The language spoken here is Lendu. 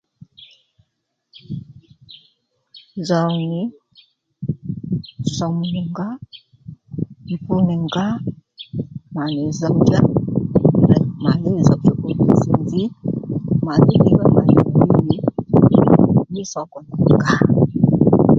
Zòw nì somù nì ngǎ mbr nì ngǎ mà nì zòw-djá màdhí nzòw copu tsùw nzǐ màdhò dzz nì ddiy mí sókò nì ngǎ